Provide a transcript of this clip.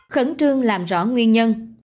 khẩn trương làm rõ nguyên nhân